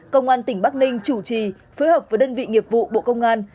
công an tỉnh bắc ninh chủ trì phối hợp với đơn vị nghiệp vụ bộ công an